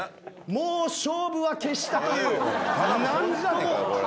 もう勝負は決したという！